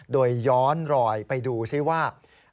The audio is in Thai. โดยย้อนรอยไปดูซิว่า